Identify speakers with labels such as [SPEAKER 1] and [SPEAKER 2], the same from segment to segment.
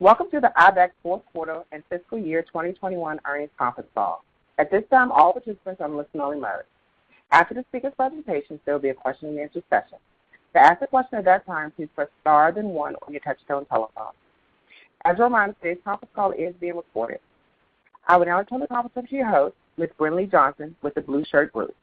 [SPEAKER 1] Welcome to the IBEX fourth quarter and fiscal year 2021 earnings conference call. At this time, all participants are in listen-only mode. After the speaker's presentation, there will be a question-and-answer session. To ask a question at that time, please press star then one on your touch-tone telephone. As a reminder, today's conference call is being recorded. I will now turn the conference over to your host, Ms. Brinlea Johnson with The Blueshirt Group.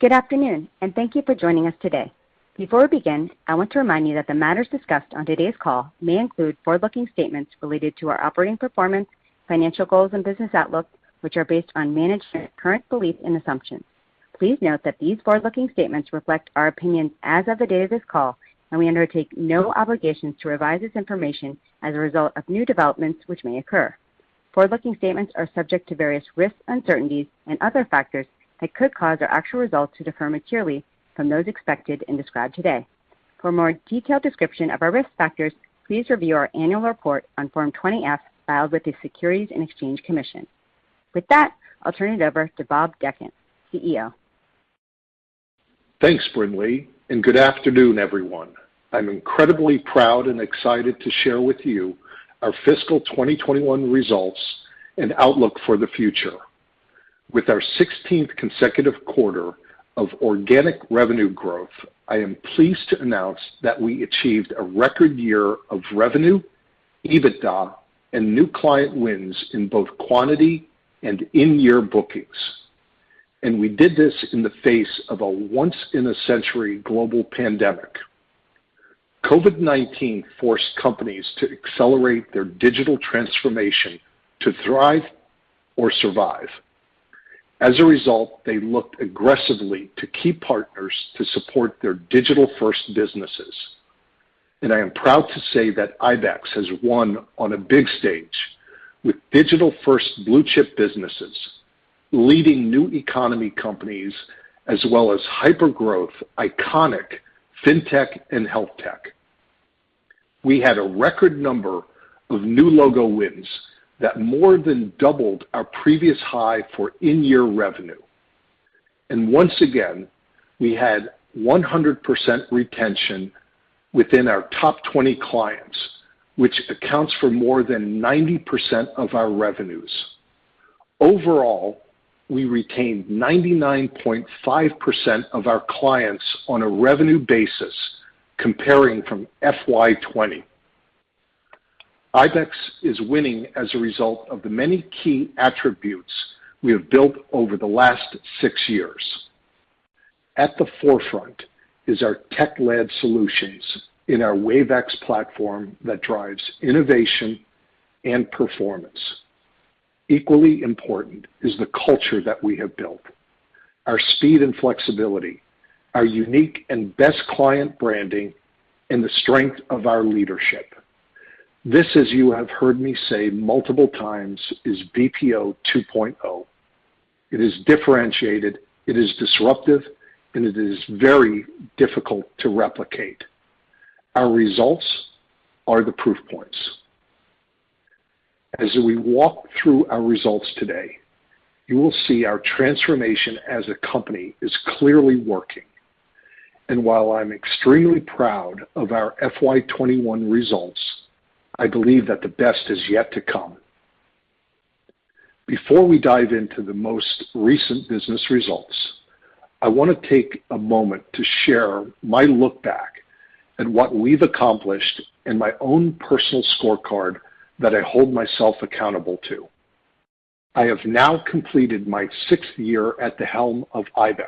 [SPEAKER 2] Good afternoon. Thank you for joining us today. Before we begin, I want to remind you that the matters discussed on today's call may include forward-looking statements related to our operating performance, financial goals, and business outlook, which are based on management's current beliefs and assumptions. Please note that these forward-looking statements reflect our opinions as of the date of this call, and we undertake no obligation to revise this information as a result of new developments which may occur. Forward-looking statements are subject to various risks, uncertainties, and other factors that could cause our actual results to differ materially from those expected and described today. For a more detailed description of our risk factors, please review our annual report on Form 20-F filed with the Securities and Exchange Commission. With that, I'll turn it over to Bob Dechant, CEO.
[SPEAKER 3] Thanks, Brinlea, good afternoon, everyone. I'm incredibly proud and excited to share with you our fiscal 2021 results and outlook for the future. With our sixteenth consecutive quarter of organic revenue growth, I am pleased to announce that we achieved a record year of revenue, EBITDA, and new client wins in both quantity and in-year bookings. We did this in the face of a once-in-a-century global pandemic. COVID-19 forced companies to accelerate their digital transformation to thrive or survive. As a result, they looked aggressively to key partners to support their digital-first businesses. I am proud to say that IBEX has won on a big stage with digital-first blue-chip businesses, leading new economy companies, as well as hyper-growth, iconic fintech and healthtech. We had a record number of new logo wins that more than doubled our previous high for in-year revenue. Once again, we had 100% retention within our top 20 clients, which accounts for more than 90% of our revenues. Overall, we retained 99.5% of our clients on a revenue basis comparing from FY 2020. IBEX is winning as a result of the many key attributes we have built over the last 6 years. At the forefront is our tech-led solutions in our Wave X platform that drives innovation and performance. Equally important is the culture that we have built, our speed and flexibility, our unique and best client branding, and the strength of our leadership. This, as you have heard me say multiple times, is BPO 2.0. It is differentiated, it is disruptive, and it is very difficult to replicate. Our results are the proof points. As we walk through our results today, you will see our transformation as a company is clearly working. While I'm extremely proud of our FY 2021 results, I believe that the best is yet to come. Before we dive into the most recent business results, I want to take a moment to share my look back at what we've accomplished and my own personal scorecard that I hold myself accountable to. I have now completed my sixth year at the helm of IBEX.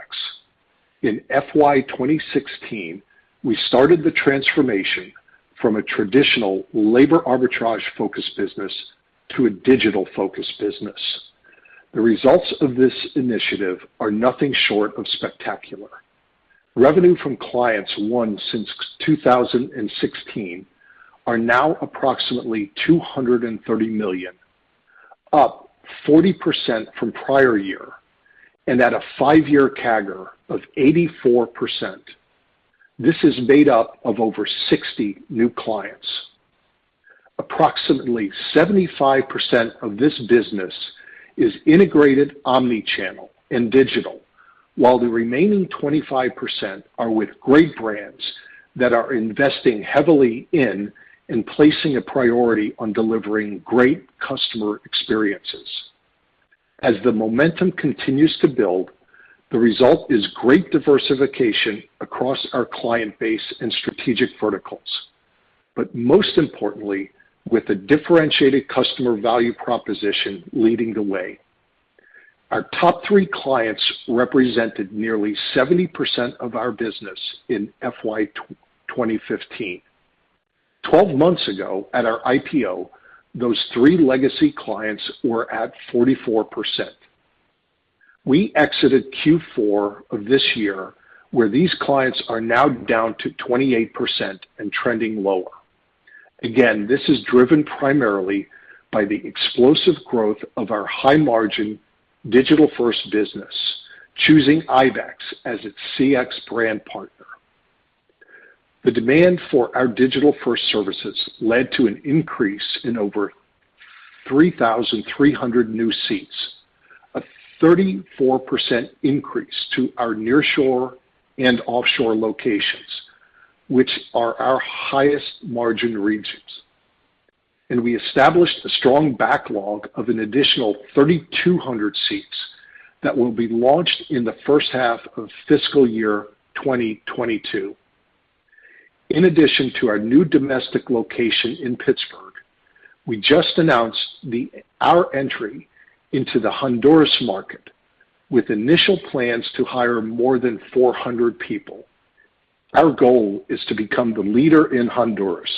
[SPEAKER 3] In FY 2016, we started the transformation from a traditional labor arbitrage-focused business to a digital-focused business. The results of this initiative are nothing short of spectacular. Revenue from clients won since 2016 are now approximately $230 million, up 40% from prior year and at a five-year CAGR of 84%. This is made up of over 60 new clients. Approximately 75% of this business is integrated omnichannel and digital, while the remaining 25% are with great brands that are investing heavily in and placing a priority on delivering great customer experiences. As the momentum continues to build, the result is great diversification across our client base and strategic verticals. Most importantly, with a differentiated customer value proposition leading the way. Our top three clients represented nearly 70% of our business in FY 2015. Twelve months ago at our IPO, those three legacy clients were at 44%. We exited Q4 of this year, where these clients are now down to 28% and trending lower. Again, this is driven primarily by the explosive growth of our high-margin digital-first business, choosing IBEX as its CX brand partner. The demand for our digital-first services led to an increase in over 3,300 new seats, a 34% increase to our nearshore and offshore locations, which are our highest margin regions. We established a strong backlog of an additional 3,200 seats that will be launched in the first half of fiscal year 2022. In addition to our new domestic location in Pittsburgh, we just announced our entry into the Honduras market with initial plans to hire more than 400 people. Our goal is to become the leader in Honduras,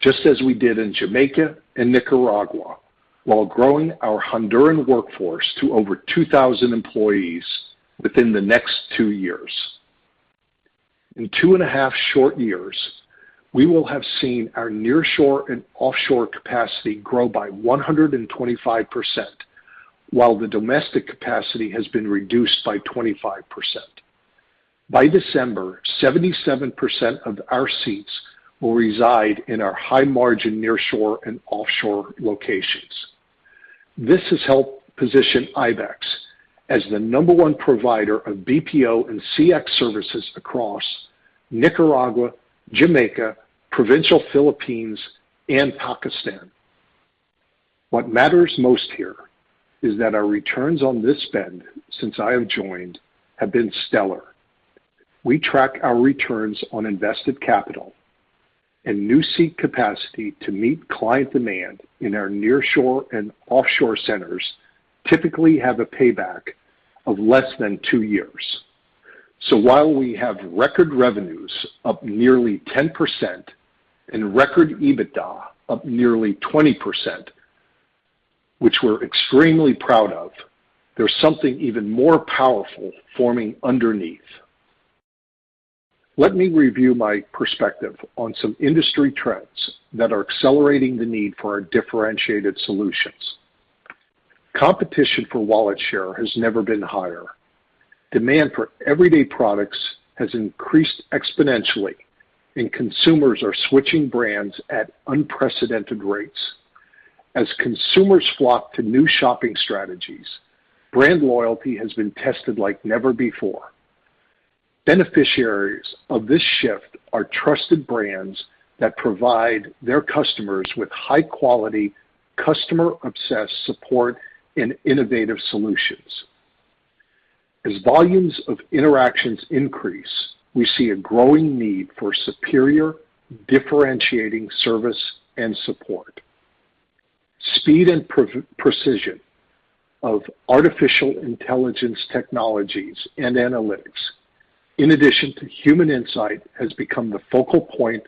[SPEAKER 3] just as we did in Jamaica and Nicaragua, while growing our Honduran workforce to over 2,000 employees within the next 2 years. In two and a half short years, we will have seen our nearshore and offshore capacity grow by 125%, while the domestic capacity has been reduced by 25%. By December, 77% of our seats will reside in our high-margin nearshore and offshore locations. This has helped position IBEX as the number one provider of BPO and CX services across Nicaragua, Jamaica, provincial Philippines, and Pakistan. What matters most here is that our returns on this spend since I have joined have been stellar. We track our returns on invested capital and new seat capacity to meet client demand in our nearshore and offshore centers typically have a payback of less than 2 years. While we have record revenues up nearly 10% and record EBITDA up nearly 20%, which we're extremely proud of, there's something even more powerful forming underneath. Let me review my perspective on some industry trends that are accelerating the need for our differentiated solutions. Competition for wallet share has never been higher. Demand for everyday products has increased exponentially, and consumers are switching brands at unprecedented rates. As consumers flock to new shopping strategies, brand loyalty has been tested like never before. Beneficiaries of this shift are trusted brands that provide their customers with high-quality, customer-obsessed support and innovative solutions. As volumes of interactions increase, we see a growing need for superior differentiating service and support. Speed and precision of artificial intelligence technologies and analytics, in addition to human insight, has become the focal point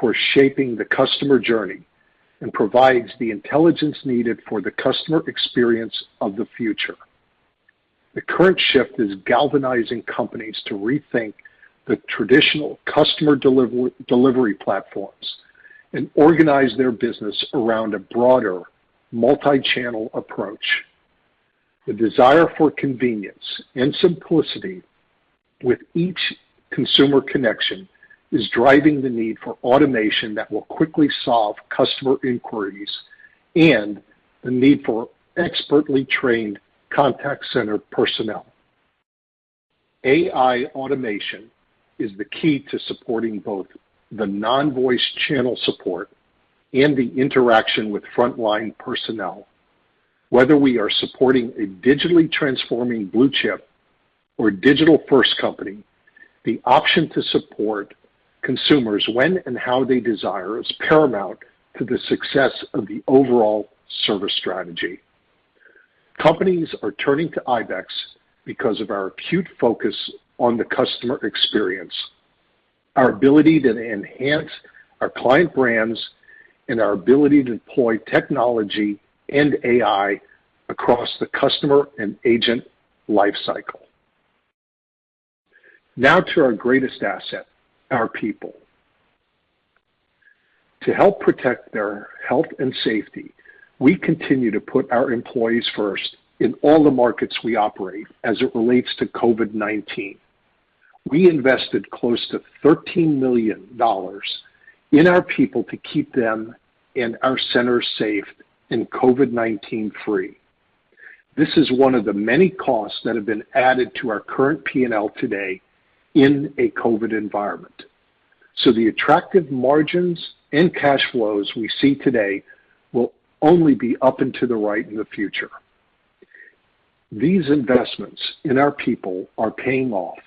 [SPEAKER 3] for shaping the customer journey and provides the intelligence needed for the customer experience of the future. The current shift is galvanizing companies to rethink the traditional customer delivery platforms and organize their business around a broader multichannel approach. The desire for convenience and simplicity with each consumer connection is driving the need for automation that will quickly solve customer inquiries and the need for expertly trained contact center personnel. AI automation is the key to supporting both the non-voice channel support and the interaction with frontline personnel. Whether we are supporting a digitally transforming blue chip or a digital-first company, the option to support consumers when and how they desire is paramount to the success of the overall service strategy. Companies are turning to IBEX because of our acute focus on the customer experience, our ability to enhance our client brands, and our ability to deploy technology and AI across the customer and agent life cycle. Now to our greatest asset, our people. To help protect their health and safety, we continue to put our employees first in all the markets we operate as it relates to COVID-19. We invested close to $13 million in our people to keep them and our centers safe and COVID-19-free. This is one of the many costs that have been added to our current P&L today in a COVID environment. The attractive margins and cash flows we see today will only be up and to the right in the future. These investments in our people are paying off.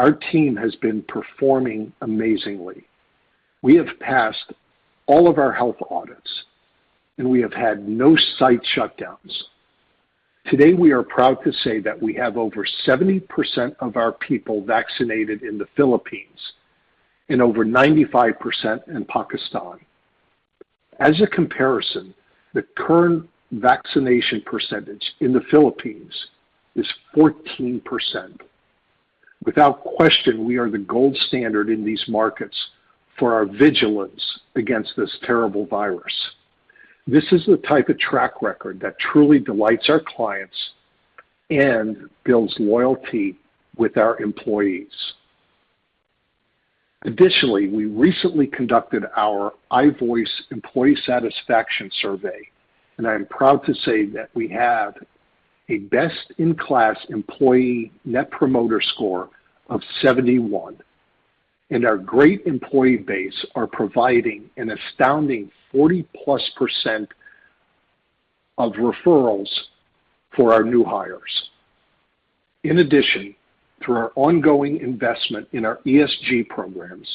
[SPEAKER 3] Our team has been performing amazingly. We have passed all of our health audits, and we have had no site shutdowns. Today, we are proud to say that we have over 70% of our people vaccinated in the Philippines and over 95% in Pakistan. As a comparison, the current vaccination percentage in the Philippines is 14%. Without question, we are the gold standard in these markets for our vigilance against this terrible virus. This is the type of track record that truly delights our clients and builds loyalty with our employees. Additionally, we recently conducted our iVoice employee satisfaction survey, and I am proud to say that we had a best-in-class employee net promoter score of 71, and our great employee base are providing an astounding 40-plus percent of referrals for our new hires. In addition, through our ongoing investment in our ESG programs,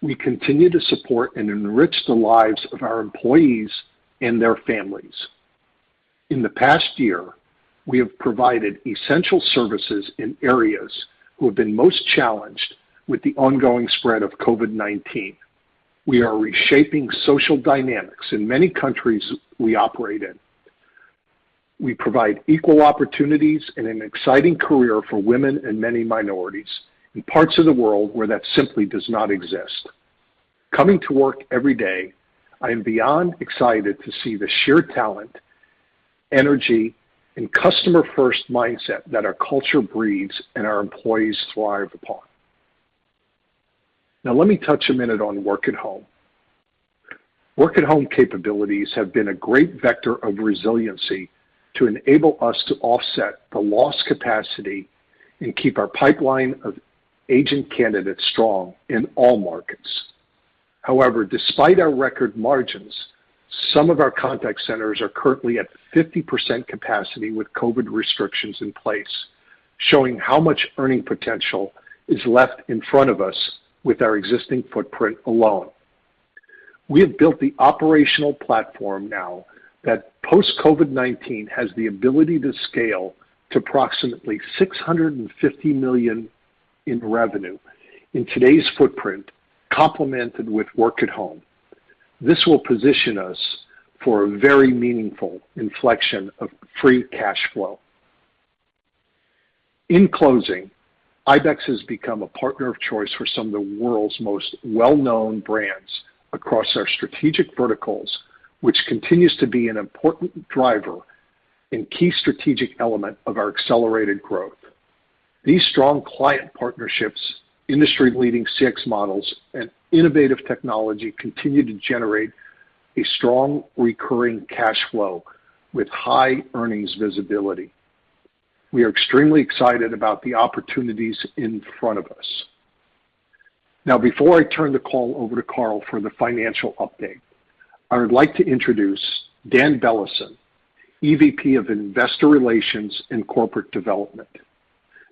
[SPEAKER 3] we continue to support and enrich the lives of our employees and their families. In the past year, we have provided essential services in areas who have been most challenged with the ongoing spread of COVID-19. We are reshaping social dynamics in many countries we operate in. We provide equal opportunities and an exciting career for women and many minorities in parts of the world where that simply does not exist. Coming to work every day, I am beyond excited to see the sheer talent, energy, and customer-first mindset that our culture breeds and our employees thrive upon. Let me touch 1 minute on work at home. Work-at-home capabilities have been a great vector of resiliency to enable us to offset the lost capacity and keep our pipeline of agent candidates strong in all markets. However, despite our record margins, some of our contact centers are currently at 50% capacity with COVID restrictions in place, showing how much earning potential is left in front of us with our existing footprint alone. We have built the operational platform now that post-COVID-19 has the ability to scale to approximately $650 million in revenue in today's footprint, complemented with work at home. This will position us for a very meaningful inflection of free cash flow. In closing, IBEX has become a partner of choice for some of the world's most well-known brands across our strategic verticals, which continues to be an important driver and key strategic element of our accelerated growth. These strong client partnerships, industry-leading CX models, and innovative technology continue to generate a strong recurring cash flow with high earnings visibility. We are extremely excited about the opportunities in front of us. Before I turn the call over to Karl for the financial update, I would like to introduce Daniel Bellehsen, EVP of Investor Relations and Corporate Development.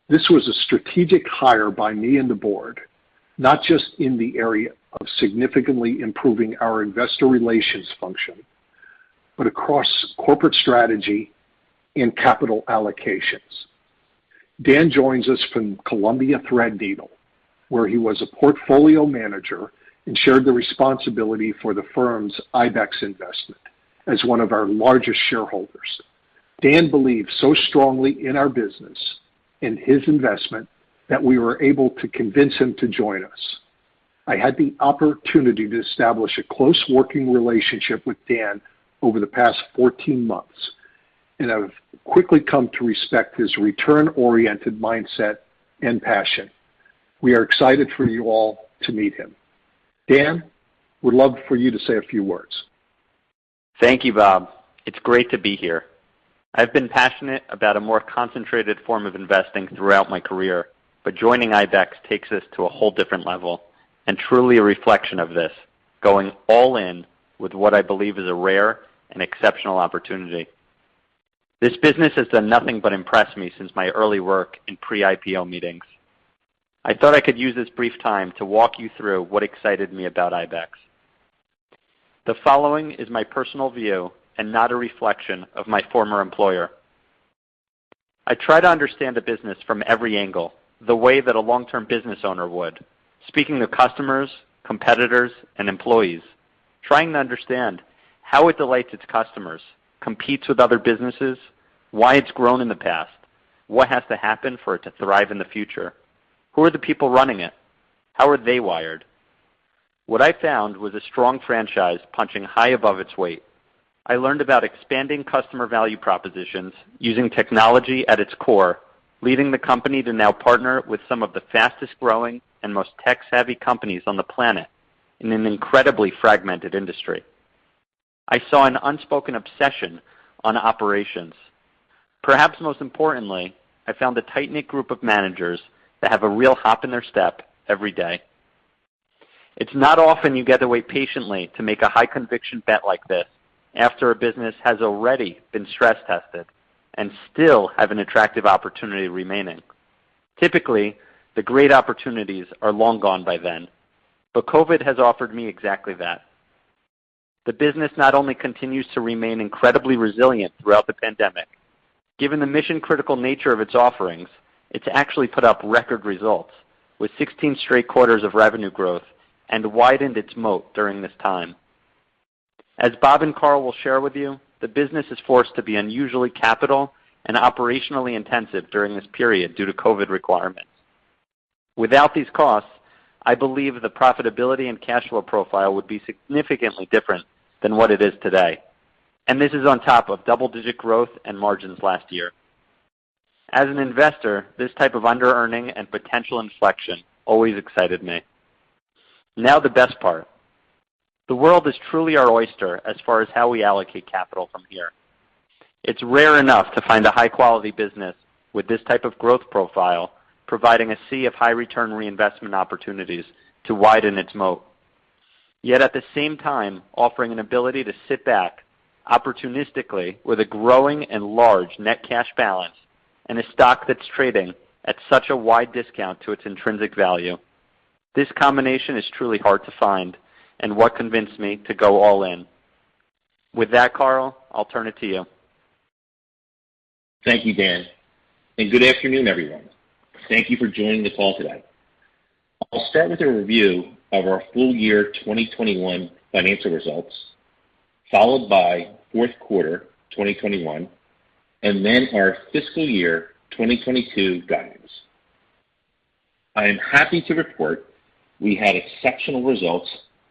[SPEAKER 3] This was a strategic hire by me and the board, not just in the area of significantly improving our investor relations function, but across corporate strategy and capital allocations. Daniel Bellehsen joins us from Columbia Threadneedle Investments, where he was a portfolio manager and shared the responsibility for the firm's IBEX investment as one of our largest shareholders. Daniel Bellehsen believed so strongly in our business and his investment that we were able to convince him to join us. I had the opportunity to establish a close working relationship with Daniel Bellehsen over the past 14 months. I've quickly come to respect his return-oriented mindset and passion. We are excited for you all to meet him. Daniel Bellehsen, would love for you to say a few words.
[SPEAKER 4] Thank you, Bob. It's great to be here. I've been passionate about a more concentrated form of investing throughout my career, but joining IBEX takes this to a whole different level and truly a reflection of this, going all in with what I believe is a rare and exceptional opportunity. This business has done nothing but impress me since my early work in pre-IPO meetings. I thought I could use this brief time to walk you through what excited me about IBEX. The following is my personal view and not a reflection of my former employer. I try to understand a business from every angle, the way that a long-term business owner would. Speaking to customers, competitors, and employees, trying to understand how it delights its customers, competes with other businesses, why it's grown in the past, what has to happen for it to thrive in the future? Who are the people running it? How are they wired? What I found was a strong franchise punching high above its weight. I learned about expanding customer value propositions using technology at its core, leading the company to now partner with some of the fastest-growing and most tech-savvy companies on the planet in an incredibly fragmented industry. I saw an unspoken obsession on operations. Perhaps most importantly, I found a tight-knit group of managers that have a real hop in their step every day. It's not often you get to wait patiently to make a high-conviction bet like this after a business has already been stress-tested and still have an attractive opportunity remaining. Typically, the great opportunities are long gone by then, but COVID-19 has offered me exactly that. The business not only continues to remain incredibly resilient throughout the pandemic, given the mission-critical nature of its offerings, it's actually put up record results with 16 straight quarters of revenue growth and widened its moat during this time. As Bob and Karl will share with you, the business is forced to be unusually capital and operationally intensive during this period due to COVID requirements. Without these costs, I believe the profitability and cash flow profile would be significantly different than what it is today. This is on top of double-digit growth and margins last year. As an investor, this type of under-earning and potential inflection always excited me. Now the best part. The world is truly our oyster as far as how we allocate capital from here. It's rare enough to find a high-quality business with this type of growth profile, providing a sea of high-return reinvestment opportunities to widen its moat. Yet at the same time, offering an ability to sit back opportunistically with a growing and large net cash balance and a stock that's trading at such a wide discount to its intrinsic value. This combination is truly hard to find and what convinced me to go all in. With that, Karl, I'll turn it to you.
[SPEAKER 5] Thank you, Dan. Good afternoon, everyone. Thank you for joining this call today. I'll start with a review of our full year 2021 financial results, followed by fourth quarter 2021, then our fiscal year 2022 guidance. I am happy to report we had exceptional results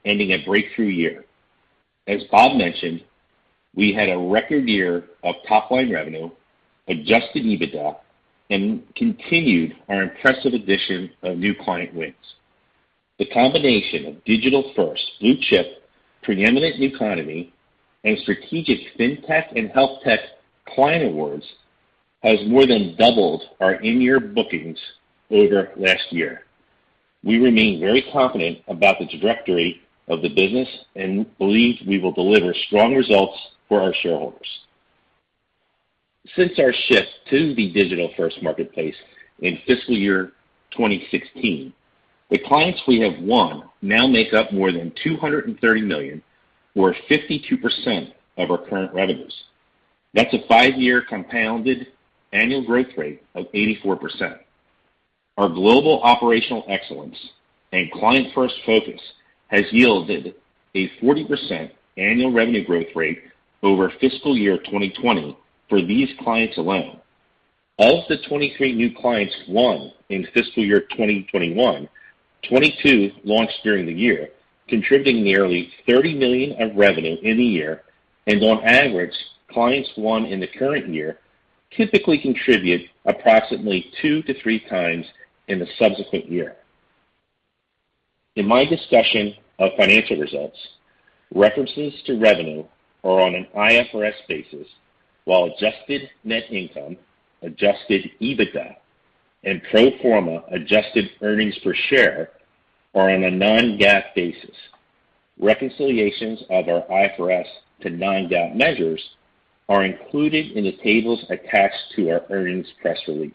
[SPEAKER 5] ending a breakthrough year. As Bob mentioned, we had a record year of top-line revenue, Adjusted EBITDA, and continued our impressive addition of new client wins. The combination of digital-first blue-chip, preeminent New Economy, and strategic Fintech and Healthtech client awards has more than doubled our in-year bookings over last year. We remain very confident about the trajectory of the business and believe we will deliver strong results for our shareholders. Since our shift to the digital-first marketplace in fiscal year 2016, the clients we have won now make up more than $230 million, or 52% of our current revenues. That's a 5-year compounded annual growth rate of 84%. Our global operational excellence and client-first focus has yielded a 40% annual revenue growth rate over fiscal year 2020 for these clients alone. Of the 23 new clients won in fiscal year 2021, 22 launched during the year, contributing nearly $30 million of revenue in the year, and on average, clients won in the current year typically contribute approximately two to three times in the subsequent year. In my discussion of financial results, references to revenue are on an IFRS basis, while adjusted net income, Adjusted EBITDA, and pro forma adjusted earnings per share are on a non-GAAP basis. Reconciliations of our IFRS to non-GAAP measures are included in the tables attached to our earnings press release.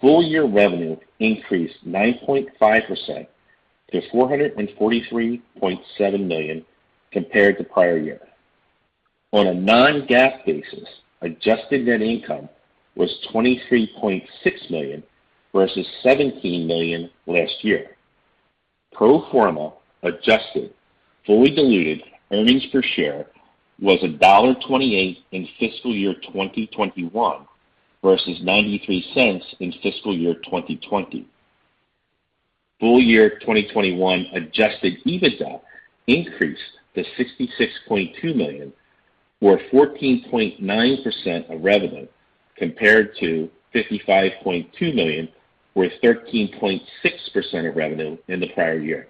[SPEAKER 5] Full-year revenue increased 9.5% to $443.7 million compared to prior year. On a non-GAAP basis, adjusted net income was $23.6 million, versus $17 million last year. Pro forma adjusted fully diluted earnings per share was $1.28 in fiscal year 2021 versus $0.93 in fiscal year 2020. Full year 2021 Adjusted EBITDA increased to $66.2 million, or 14.9% of revenue, compared to $55.2 million, or 13.6% of revenue in the prior year.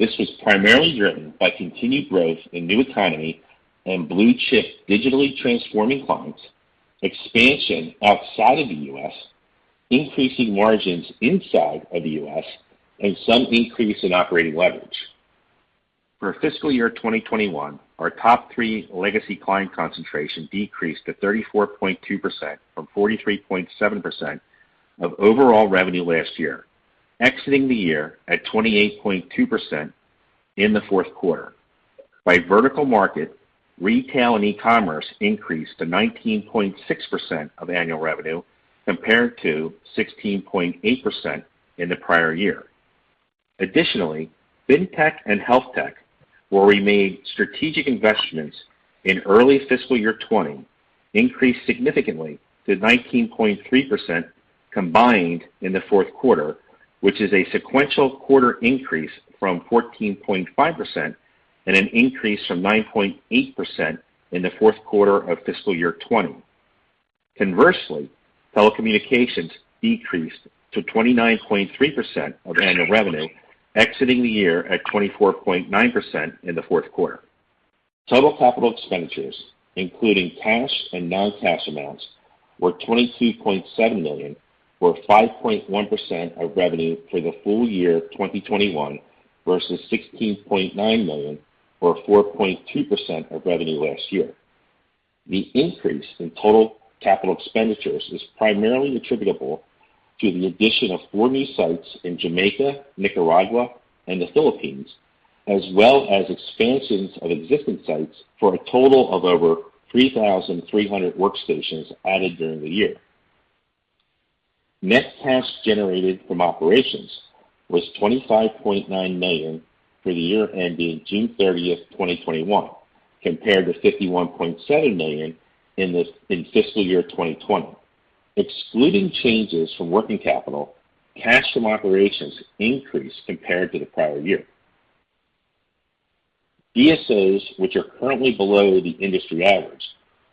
[SPEAKER 5] This was primarily driven by continued growth in New Economy and blue-chip digitally transforming clients, expansion outside of the U.S., increasing margins inside of the U.S., and some increase in operating leverage. For fiscal year 2021, our top three legacy client concentration decreased to 34.2% from 43.7% of overall revenue last year, exiting the year at 28.2% in the fourth quarter. By vertical market, retail and e-commerce increased to 19.6% of annual revenue, compared to 16.8% in the prior year. Additionally, Fintech and Healthtech, where we made strategic investments in early fiscal year 2020, increased significantly to 19.3% combined in the fourth quarter, which is a sequential quarter increase from 14.5% and an increase from 9.8% in the fourth quarter of fiscal year 2020. Conversely, telecommunications decreased to 29.3% of annual revenue, exiting the year at 24.9% in the fourth quarter. Total capital expenditures, including cash and non-cash amounts, were $22.7 million, or 5.1% of revenue for the full year 2021 versus $16.9 million or 4.2% of revenue last year. The increase in total capital expenditures is primarily attributable to the addition of four new sites in Jamaica, Nicaragua, and the Philippines, as well as expansions of existing sites for a total of over 3,300 workstations added during the year. Net cash generated from operations was $25.9 million for the year ending June 30, 2021 compared to $51.7 million in fiscal year 2020. Excluding changes from working capital, cash from operations increased compared to the prior year. DSOs, which are currently below the industry average,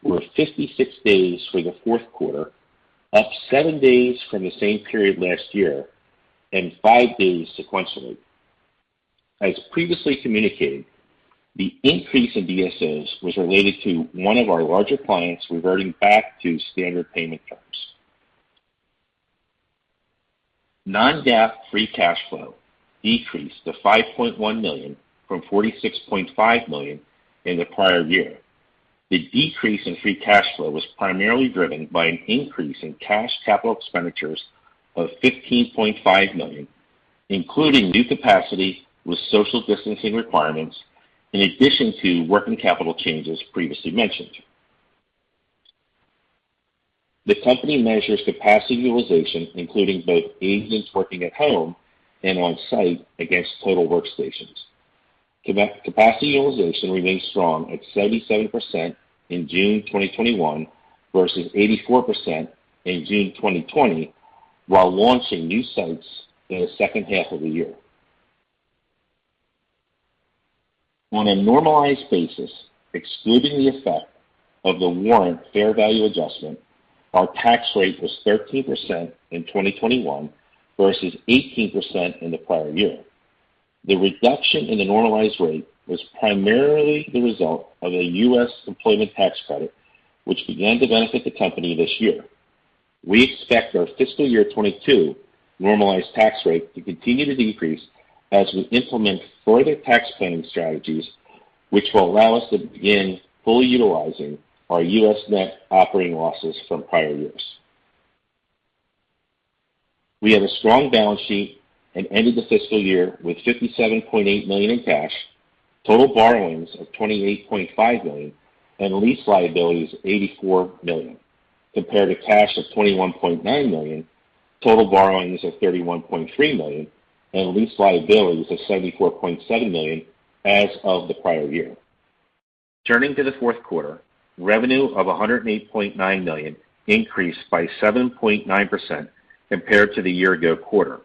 [SPEAKER 5] were 56 days for the 4th quarter, up 7 days from the same period last year and 5 days sequentially. As previously communicated, the increase in DSOs was related to one of our larger clients reverting back to standard payment terms. Non-GAAP free cash flow decreased to $5.1 million from $46.5 million in the prior year. The decrease in free cash flow was primarily driven by an increase in cash capital expenditures of $15.5 million, including new capacity with social distancing requirements, in addition to working capital changes previously mentioned. The company measures capacity utilization, including both agents working at home and on-site against total workstations. Capacity utilization remains strong at 77% in June 2021 versus 84% in June 2020, while launching new sites in the second half of the year. On a normalized basis, excluding the effect of the warrant fair value adjustment, our tax rate was 13% in 2021 versus 18% in the prior year. The reduction in the normalized rate was primarily the result of a U.S. employment tax credit, which began to benefit the company this year. We expect our fiscal year 2022 normalized tax rate to continue to decrease as we implement further tax planning strategies, which will allow us to begin fully utilizing our U.S. net operating losses from prior years. We have a strong balance sheet and ended the fiscal year with $57.8 million in cash, total borrowings of $28.5 million, and lease liabilities of $84 million, compared to cash of $21.9 million, total borrowings of $31.3 million, and lease liabilities of $74.7 million as of the prior year. Turning to the fourth quarter, revenue of $108.9 million increased by 7.9% compared to the year ago quarter.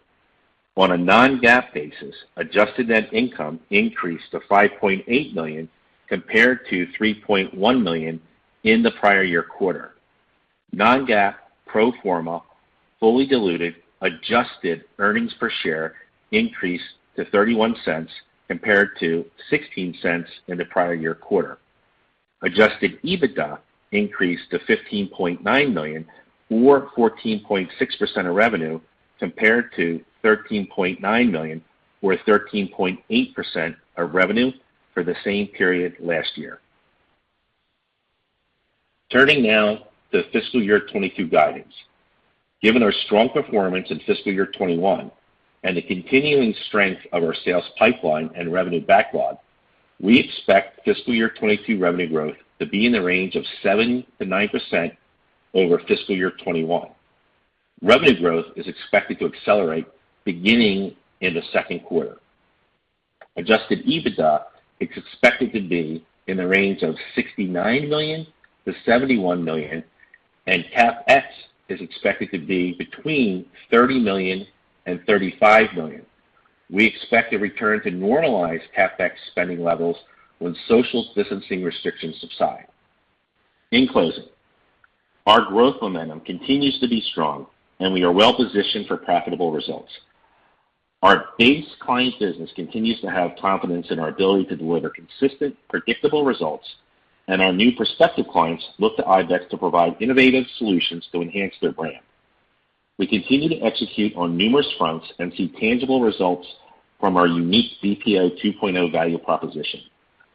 [SPEAKER 5] On a non-GAAP basis, adjusted net income increased to $5.8 million compared to $3.1 million in the prior year quarter. Non-GAAP pro forma fully diluted adjusted earnings per share increased to $0.31 compared to $0.16 in the prior year quarter. Adjusted EBITDA increased to $15.9 million or 14.6% of revenue, compared to $13.9 million or 13.8% of revenue for the same period last year. Turning now to fiscal year 2022 guidance. Given our strong performance in fiscal year 2021 and the continuing strength of our sales pipeline and revenue backlog, we expect fiscal year 2022 revenue growth to be in the range of 7%-9% over fiscal year 2021. Revenue growth is expected to accelerate beginning in the second quarter. Adjusted EBITDA is expected to be in the range of $69 million-$71 million, and CapEx is expected to be between $30 million and $35 million. We expect a return to normalized CapEx spending levels when social distancing restrictions subside. In closing, our growth momentum continues to be strong, and we are well positioned for profitable results. Our base client business continues to have confidence in our ability to deliver consistent, predictable results, and our new prospective clients look to IBEX to provide innovative solutions to enhance their brand. We continue to execute on numerous fronts and see tangible results from our unique BPO 2.0 value proposition.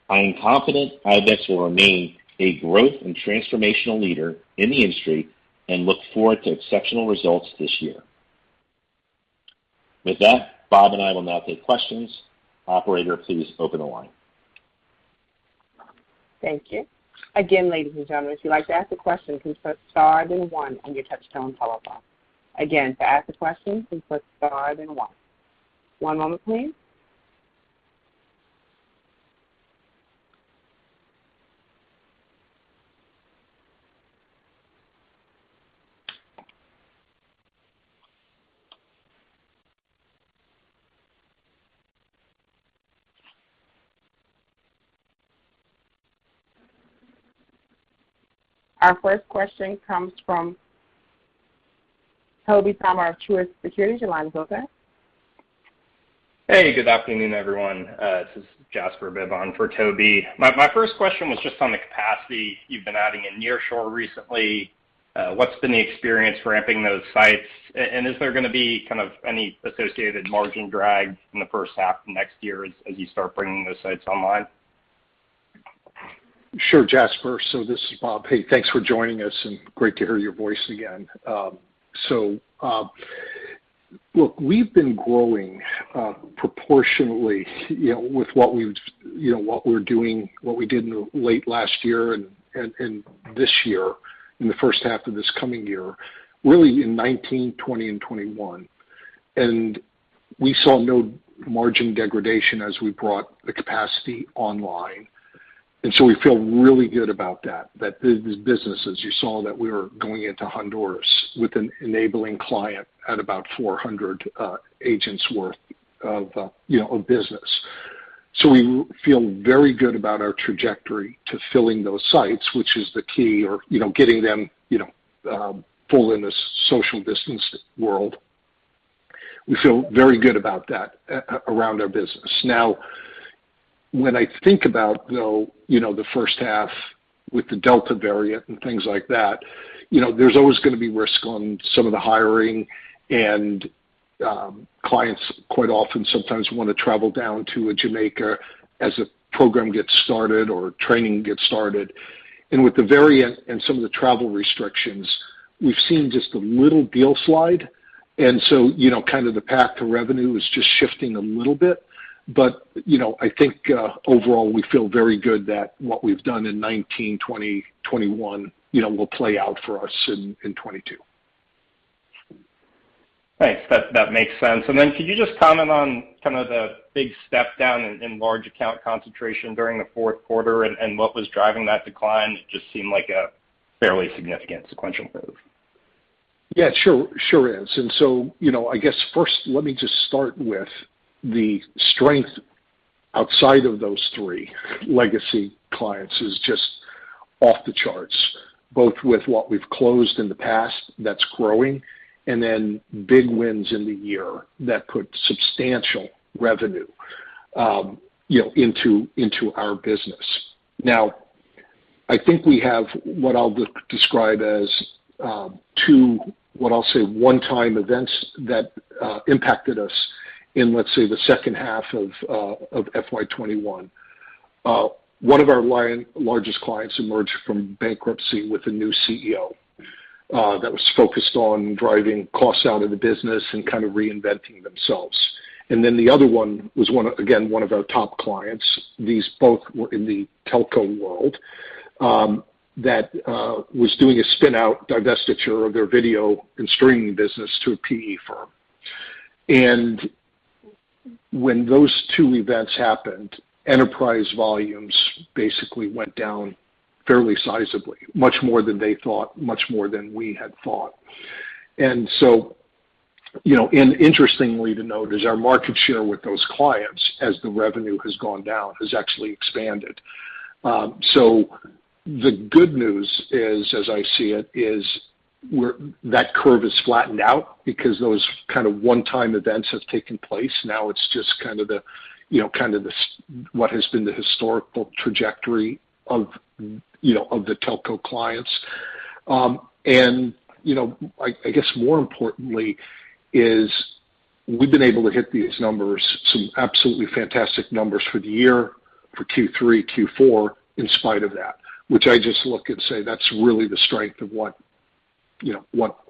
[SPEAKER 5] I am confident IBEX will remain a growth and transformational leader in the industry and look forward to exceptional results this year. With that, Bob and I will now take questions. Operator, please open the line.
[SPEAKER 1] Thank you. Again, ladies and gentlemen, if you'd like to ask a question, please press star then one on your touchtone telephone. Again, to ask a question, please press star then one. One moment, please. Our first question comes from Tobey Sommer, Truist Securities. Your line is open.
[SPEAKER 6] Hey, good afternoon, everyone. This is Jasper Bibb on for Toby. My first question was just on the capacity you've been adding in nearshore recently. What's been the experience ramping those sites, and is there going to be kind of any associated margin drag in the first half of next year as you start bringing those sites online?
[SPEAKER 3] Sure, Jasper. This is Bob. Hey, thanks for joining us, and great to hear your voice again. Look, we've been growing proportionately with what we did late last year and this year, in the first half of this coming year, really in 2019, 2020, and 2021. We saw no margin degradation as we brought the capacity online. We feel really good about that the business, as you saw, that we were going into Honduras with an enabling client at about 400 agents worth of business. We feel very good about our trajectory to filling those sites, which is the key, or getting them full in this social distance world. We feel very good about that around our business. When I think about though, the first half with the Delta variant and things like that, there's always going to be risk on some of the hiring and clients quite often sometimes want to travel down to a Jamaica as a program gets started or training gets started. With the Delta variant and some of the travel restrictions, we've seen just a little deal slide, and so kind of the path to revenue is just shifting a little bit. I think, overall, we feel very good that what we've done in 2019, 2020, 2021 will play out for us in 2022.
[SPEAKER 6] Thanks. That makes sense. Could you just comment on kind of the big step down in large account concentration during the fourth quarter and what was driving that decline? It just seemed like a fairly significant sequential move.
[SPEAKER 3] Yeah, it sure is. I guess first let me just start with the strength outside of those three legacy clients is just off the charts, both with what we've closed in the past that's growing, and then big wins in the year that put substantial revenue into our business. Now, I think we have what I'll describe as two, what I'll say, one-time events that impacted us in, let's say, the second half of FY 2021. One of our largest clients emerged from bankruptcy with a new CEO that was focused on driving costs out of the business and kind of reinventing themselves. Then, the other one was, again, one of our top clients, these both were in the telco world, that was doing a spin-out divestiture of their video and streaming business to a PE firm. When those two events happened, enterprise volumes basically went down fairly sizably, much more than they thought, much more than we had thought. Interestingly to note is our market share with those clients, as the revenue has gone down, has actually expanded. The good news is, as I see it, is that curve has flattened out because those kind of one-time events have taken place. Now, it's just kind of what has been the historical trajectory of the telco clients. I guess more importantly is we've been able to hit these numbers, some absolutely fantastic numbers for the year for Q3, Q4 in spite of that, which I just look and say, "That's really the strength of what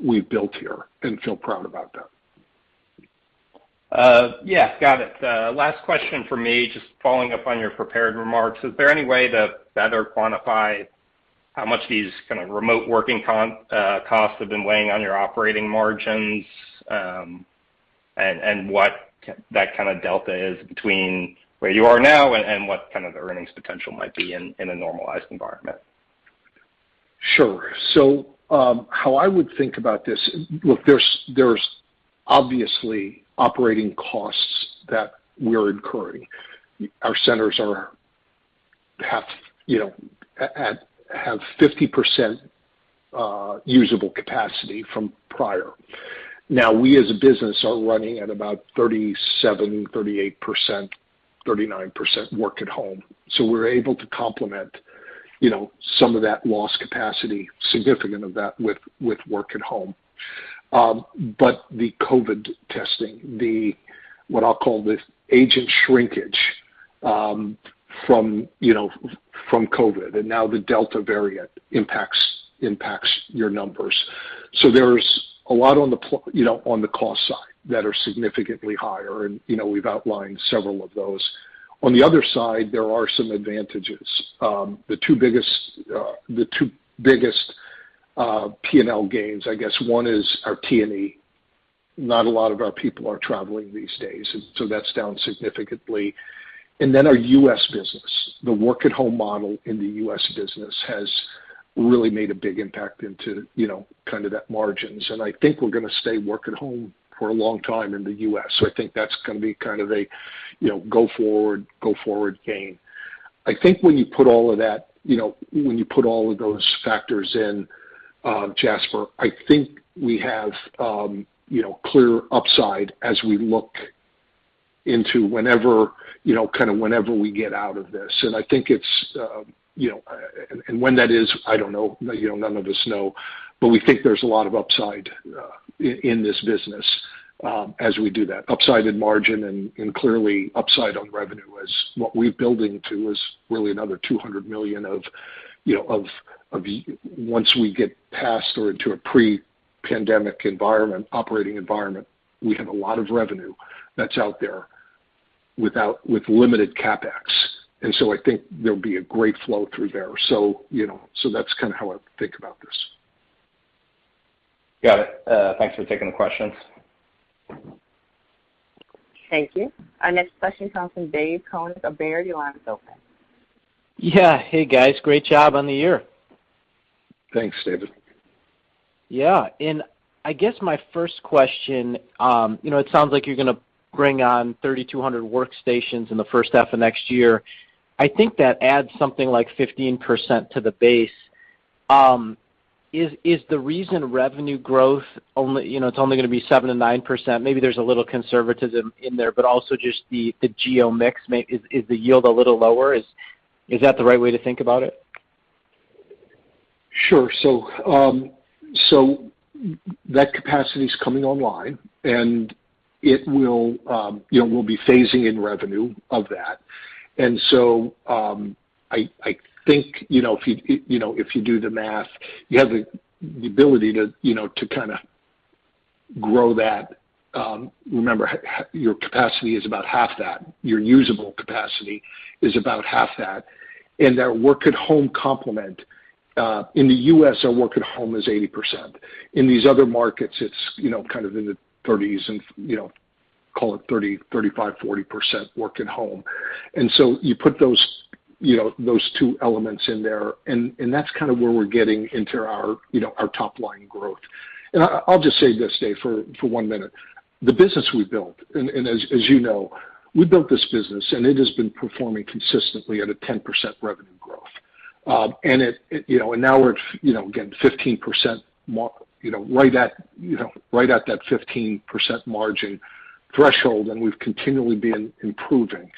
[SPEAKER 3] we've built here," and feel proud about that.
[SPEAKER 6] Yeah. Got it. Last question from me, just following up on your prepared remarks, is there any way to better quantify how much these kind of remote working costs have been weighing on your operating margins, and what that kind of delta is between where you are now and what kind of the earnings potential might be in a normalized environment?
[SPEAKER 3] Sure. How I would think about this, look, there's obviously operating costs that we are incurring. Our centers have 50% usable capacity from prior. We, as a business, are running at about 37%, 38%, 39% work at home. We're able to complement some of that lost capacity, significant of that with work at home. The COVID testing, what I'll call the agent shrinkage from COVID, and now the Delta variant impacts your numbers. There's a lot on the cost side that are significantly higher, and we've outlined several of those. On the other side, there are some advantages. The two biggest P&L gains, I guess one is our T&E. Not a lot of our people are traveling these days, and so that's down significantly. Our U.S. business, the work at home model in the U.S. business has really made a big impact into kind of that margins, and I think we're going to stay work at home for a long time in the U.S., so I think that's going to be kind of a go-forward gain. I think when you put all of those factors in, Jasper, I think we have clear upside as we look into whenever we get out of this. When that is, I don't know, none of us know, but we think there's a lot of upside in this business as we do that, upside in margin and clearly upside on revenue as what we're building to is really another $200 million of once we get past or into a pre-pandemic environment, operating environment, we have a lot of revenue that's out there with limited CapEx. I think there'll be a great flow through there. That's kind of how I think about this.
[SPEAKER 6] Got it. Thanks for taking the questions.
[SPEAKER 1] Thank you. Our next question comes from David Koning of Baird. Your line is open.
[SPEAKER 7] Yeah. Hey, guys. Great job on the year.
[SPEAKER 3] Thanks, David.
[SPEAKER 7] Yeah. I guess my first question, it sounds like you're going to bring on 3,200 workstations in the first half of next year. I think that adds something like 15% to the base. Is the reason revenue growth, it's only going to be 7%-9%? Maybe there's a little conservatism in there, but also just the geo mix, is the yield a little lower? Is that the right way to think about it?
[SPEAKER 3] Sure. That capacity is coming online, and we'll be phasing in revenue of that. I think, if you do the math, you have the ability to kind of grow that. Remember, your capacity is about half that. Your usable capacity is about half that. That work-at-home complement, in the U.S., our work-at-home is 80%. In these other markets, it's kind of in the 30s and call it 30%, 35%, 40% work-at-home. You put those two elements in there, and that's kind of where we're getting into our top-line growth. I'll just say this, Dave, for one minute. The business we built, and as you know, we built this business, and it has been performing consistently at a 10% revenue growth. Now we're, again, right at that 15% margin threshold, and we've continually been improving.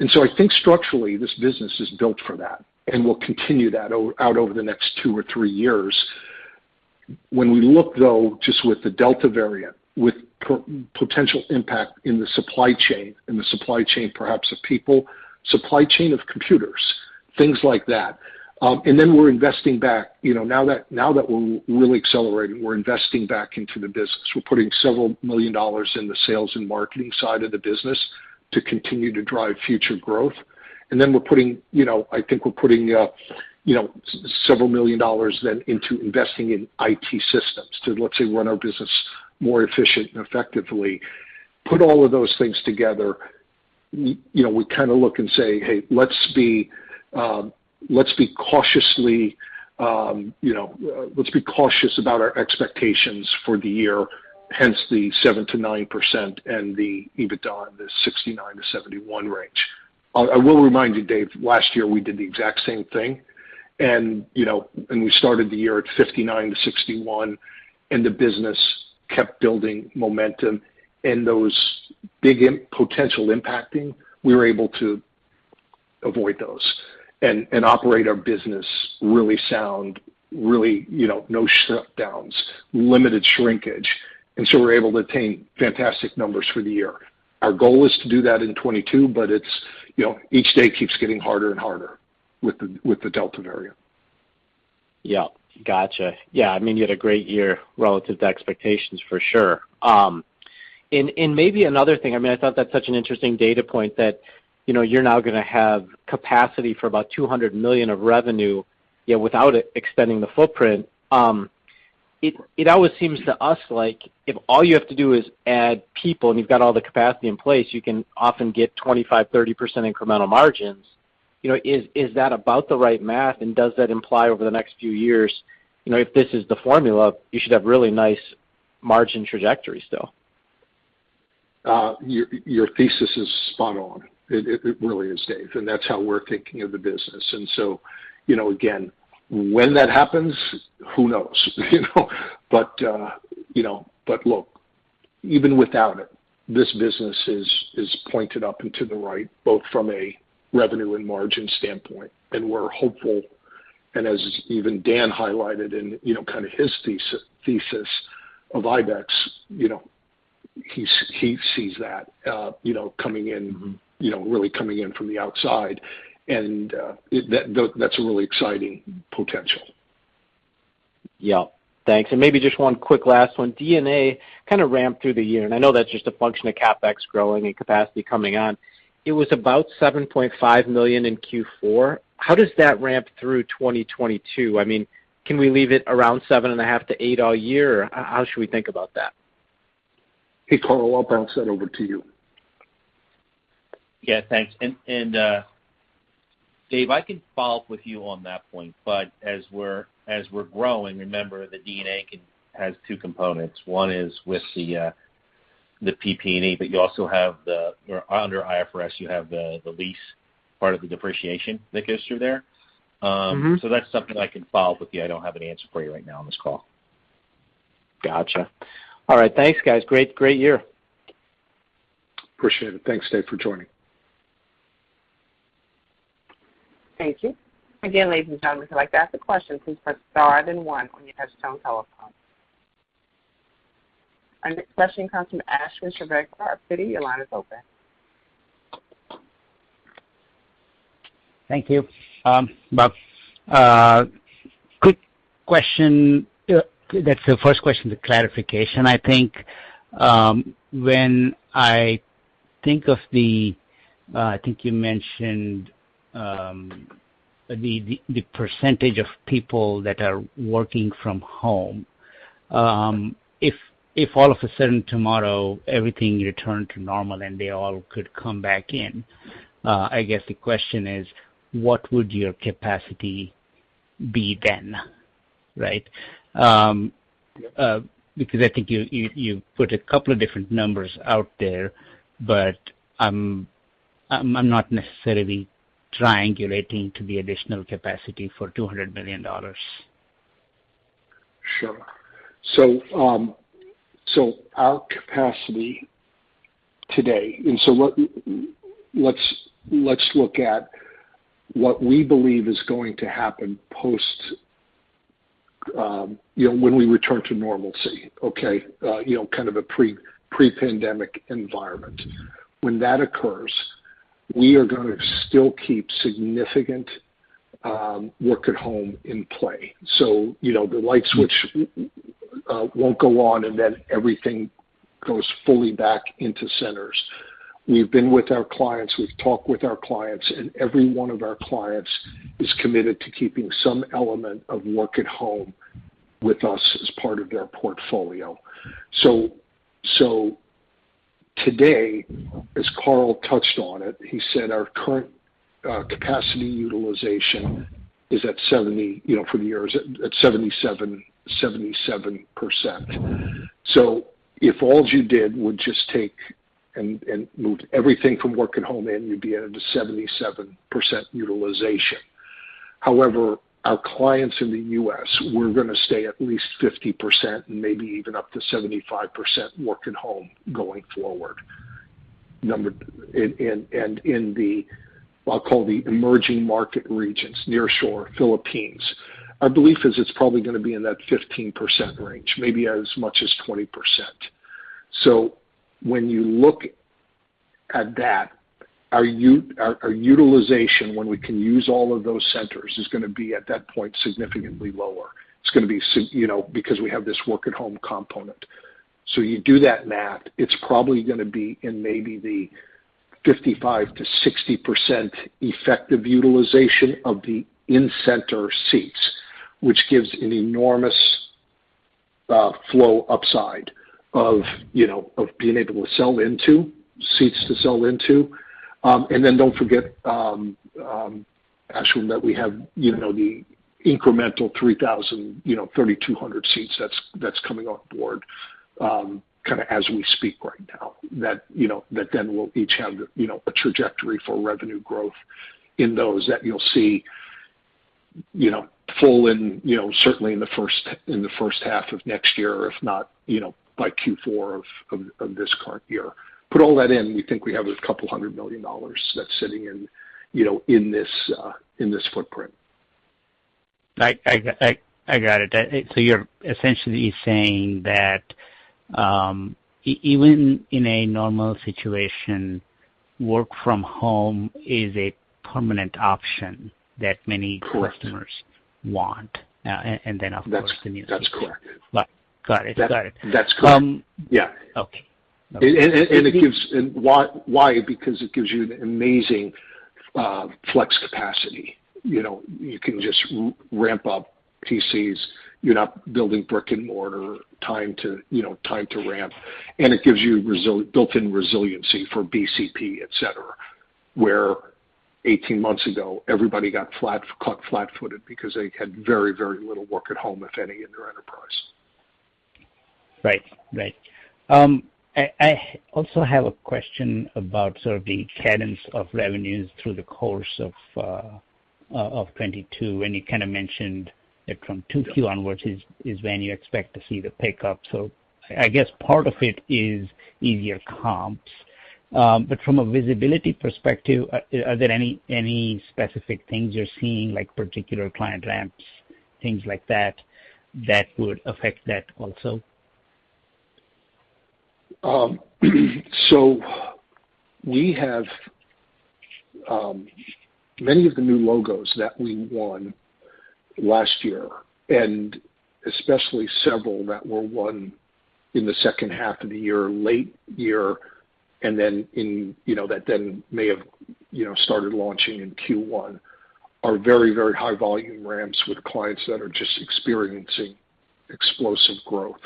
[SPEAKER 3] I think structurally, this business is built for that and will continue that out over the next two or three years. When we look, though, just with the Delta variant, with potential impact in the supply chain, in the supply chain perhaps of people, supply chain of computers, things like that. We're investing back. Now that we're really accelerating, we're investing back into the business. We're putting several million dollars in the sales and marketing side of the business to continue to drive future growth. I think we're putting several million dollars then into investing in IT systems to, let's say, run our business more efficient and effectively. Put all of those things together, we kind of look and say, "Hey, let's be cautious about our expectations for the year," hence the 7%-9% and the EBITDA in the $69 million-$71 million range. I will remind you, Dave, last year we did the exact same thing, and we started the year at 59-61, and the business kept building momentum, and those big potential impacting, we were able to avoid those and operate our business really sound, no shutdowns, limited shrinkage. We were able to attain fantastic numbers for the year. Our goal is to do that in 2022, but its, each day keeps getting harder and harder with the Delta variant.
[SPEAKER 7] Yeah. Got you. Yeah, you had a great year relative to expectations for sure. Maybe another thing, I thought that's such an interesting data point that you're now going to have capacity for about $200 million of revenue without extending the footprint. It always seems to us like if all you have to do is add people, and you've got all the capacity in place, you can often get 25%, 30% incremental margins. Is that about the right math, and does that imply over the next few years, if this is the formula, you should have really nice margin trajectories still?
[SPEAKER 3] Your thesis is spot on. It really is, Dave, and that's how we're thinking of the business. Again, when that happens, who knows?, but look, even without it, this business is pointed up into the right, both from a revenue and margin standpoint, and we're hopeful, and as even Dan highlighted in kind of his thesis of IBEX, he sees that really coming in from the outside, and that's a really exciting potential.
[SPEAKER 7] Yeah. Thanks. Maybe just one quick last one. D&A kind of ramped through the year, and I know that's just a function of CapEx growing and capacity coming on. It was about $7.5 million in Q4. How does that ramp through 2022? Can we leave it around $7.5 million-$8 million all year? How should we think about that?
[SPEAKER 3] Hey, Karl, I'll bounce that over to you.
[SPEAKER 5] Yeah, thanks. Dave, I can follow up with you on that point, but as we're growing, remember, the D&A has two components. One is with the PP&E, but under IFRS, you have the lease part of the depreciation that goes through there. That's something I can follow up with you. I don't have an answer for you right now on this call.
[SPEAKER 7] Got you. All right. Thanks, guys. Great year.
[SPEAKER 3] Appreciate it. Thanks, Dave, for joining.
[SPEAKER 1] Thank you. Again, ladies and gentlemen, if you'd like to ask a question, please press star then one on your touchtone telephone. Our next question comes from Ashwin Shirvaikar with Citi. Your line is open.
[SPEAKER 8] Thank you. Bob, quick question. That's the first question, the clarification. I think when I think of the, I think you mentioned the percentage of people that are working from home. If all of a sudden tomorrow everything returned to normal and they all could come back in, I guess the question is, what would your capacity be then? Right? I think you put a couple of different numbers out there, but I'm not necessarily triangulating to the additional capacity for $200 million.
[SPEAKER 3] Sure. Our capacity today, and so let's look at what we believe is going to happen post when we return to normalcy, kind of a pre-pandemic environment. When that occurs, we are going to still keep significant work at home in play. The light switch won't go on, and then everything goes fully back into centers. We've been with our clients, we've talked with our clients, and every one of our clients is committed to keeping some element of work at home with us as part of their portfolio. Today, as Karl touched on it, he said our current capacity utilization for the year is at 77%. If all you did was just take and move everything from work at home in, you'd be at a 77% utilization. However, our clients in the U.S., we're going to stay at least 50% and maybe even up to 75% work at home going forward. In the, I'll call the emerging market regions, nearshore, Philippines, our belief is it's probably going to be in that 15% range, maybe as much as 20%. When you look at that, our utilization, when we can use all of those centers, is going to be at that point significantly lower. It's going to be because we have this work at home component. You do that math, it's probably going to be in maybe the 55%-60% effective utilization of the in-center seats, which gives an enormous flow upside of being able to sell into, seats to sell into. Then, don't forget, Ashwin, that we have the incremental 3,000, you know, 3,200 seats that's coming on board as we speak right now. That then we'll each have a trajectory for revenue growth in those that you'll see full and certainly in the first half of next year, if not by Q4 of this current year. Put all that in, we think we have a couple hundred million dollars that's sitting in this footprint.
[SPEAKER 8] I got it. You're essentially saying that even in a normal situation, work from home is a permanent option that.
[SPEAKER 3] Correct
[SPEAKER 8] many customers want.
[SPEAKER 3] That's correct
[SPEAKER 8] Got it.
[SPEAKER 3] That's correct. Yeah.
[SPEAKER 8] Okay.
[SPEAKER 3] It gives, why? Because it gives you an amazing flex capacity. You can just ramp up PCs. You're not building brick and mortar, time to ramp, and it gives you built-in resiliency for BCP, et cetera, where 18 months ago, everybody got caught flat-footed because they had very, very little work at home, if any, in their enterprise.
[SPEAKER 8] Right. I also have a question about sort of the cadence of revenues through the course of 2022. You kind of mentioned that from Q2 onwards is when you expect to see the pickup. I guess part of it is easier comps. From a visibility perspective, are there any specific things you're seeing, like particular client ramps, things like that would affect that also?
[SPEAKER 3] We have many of the new logos that we won last year, and especially several that were won in the second half of the year, late year, and then that then may have started launching in Q1, are very, very high volume ramps with clients that are just experiencing explosive growth.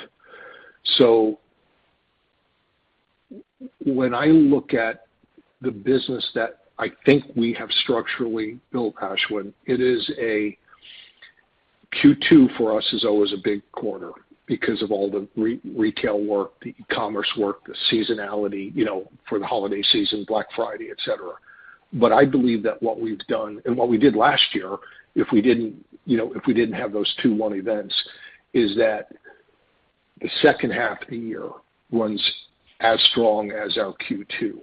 [SPEAKER 3] When I look at the business that I think we have structurally built, Ashwin, it is a Q2 for us is always a big quarter because of all the retail work, the e-commerce work, the seasonality, for the holiday season, Black Friday, et cetera. I believe that what we've done and what we did last year, if we didn't have those two events, is that the second half of the year runs as strong as our Q2.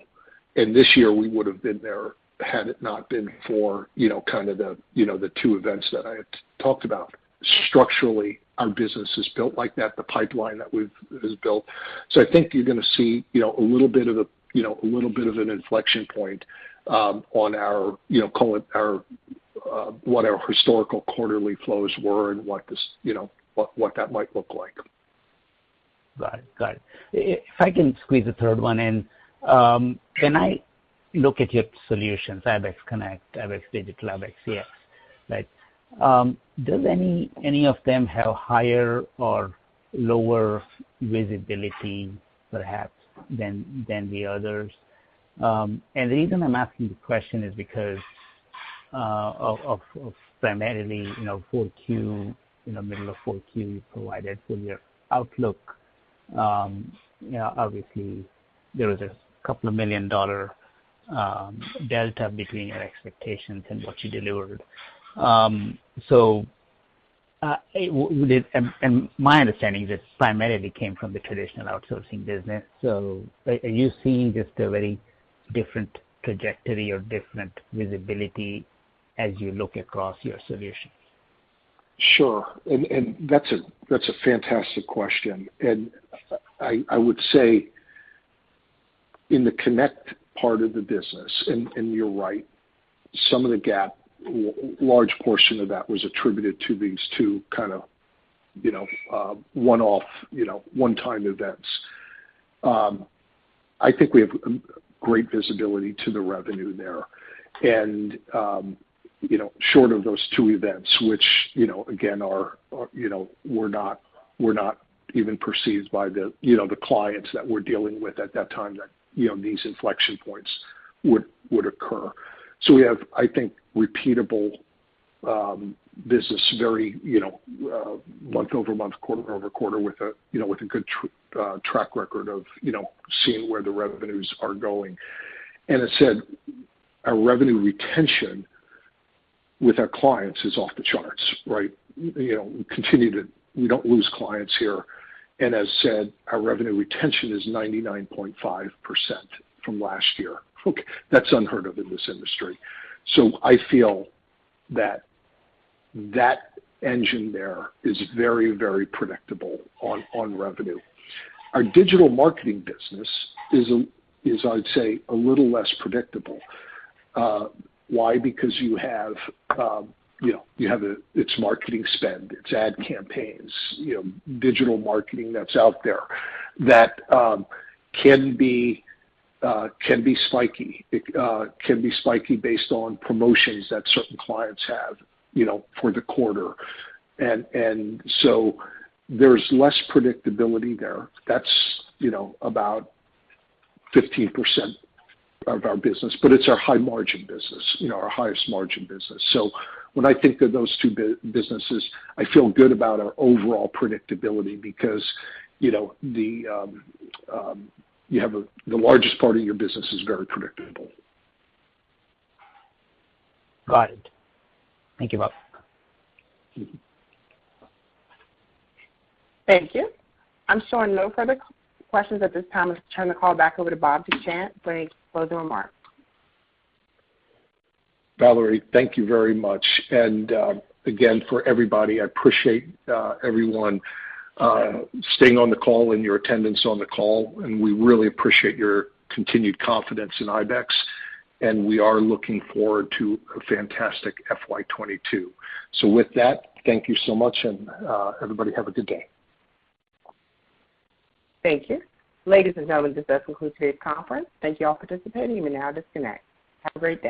[SPEAKER 3] This year, we would've been there had it not been for the two events that I had talked about. Structurally, our business is built like that, the pipeline that we've built. I think you're going to see a little bit of an inflection point on our, call it our, what our historical quarterly flows were and what that might look like.
[SPEAKER 8] Got it. If I can squeeze a third one in, when I look at your solutions, ibex Connect, ibex Digital, ibex CX, right? Do any of them have higher or lower visibility perhaps than the others? The reason I'm asking the question is because of primarily, middle of Q4 you provided for your outlook. Obviously, there was a couple of million-dollar delta between your expectations and what you delivered. My understanding is this primarily came from the traditional outsourcing business. Are you seeing just a very different trajectory or different visibility as you look across your solutions?
[SPEAKER 3] Sure. That's a fantastic question. I would say in the Connect part of the business, and you're right, some of the gap, large portion of that was attributed to these two kind of one-off, one-time events. I think we have great visibility to the revenue there and short of those two events, which again, were not even perceived by the clients that we're dealing with at that time that these inflection points would occur. We have, I think, repeatable business very month-over-month, quarter-over-quarter with a good track record of seeing where the revenues are going. As said, our revenue retention with our clients is off the charts, right? We don't lose clients here. As said, our revenue retention is 99.5% from last year. That's unheard of in this industry. I feel that that engine there is very predictable on revenue. Our digital marketing business is, I'd say, a little less predictable. Why? Because it's marketing spend, it's ad campaigns, digital marketing that's out there that can be spiky. It can be spiky based on promotions that certain clients have for the quarter. There's less predictability there. That's about 15% of our business, but it's our high margin business, our highest margin business. When I think of those two businesses, I feel good about our overall predictability because the largest part of your business is very predictable.
[SPEAKER 8] Got it. Thank you, Bob.
[SPEAKER 1] Thank you. I'm showing no further questions at this time. Let's turn the call back over to Bob Dechant for any closing remarks.
[SPEAKER 3] Valerie, thank you very much. Again, for everybody, I appreciate everyone staying on the call and your attendance on the call. We really appreciate your continued confidence in IBEX. We are looking forward to a fantastic FY 2022. With that, thank you so much, and everybody have a good day.
[SPEAKER 1] Thank you. Ladies and gentlemen, this does conclude today's conference. Thank you all for participating. You may now disconnect. Have a great day.